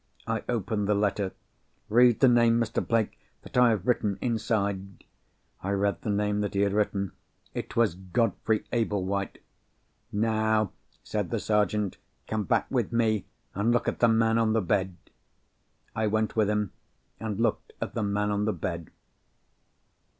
I opened the letter. "Read the name, Mr. Blake, that I have written inside." I read the name that he had written. It was—Godfrey Ablewhite. "Now," said the Sergeant, "come with me, and look at the man on the bed." I went with him, and looked at the man on the bed.